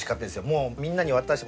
もうみんなに渡し。